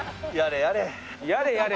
やれやれ。